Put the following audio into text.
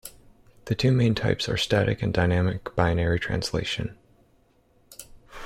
The two main types are static and dynamic binary translation.